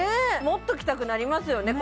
持っときたくなりますよね